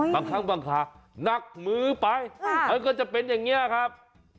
บางครั้งบางครานักมือไปมันก็จะเป็นอย่างนี้ครับ